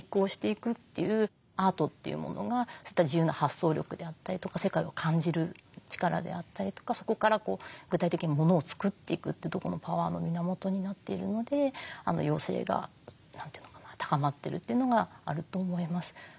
アートというものが自由な発想力であったりとか世界を感じる力であったりとかそこから具体的に物を作っていくというとこのパワーの源になっているので要請が高まっているというのがあると思います。